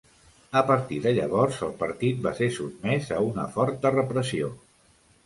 A partir de llavors, el partit va ser sotmès a una forta repressió.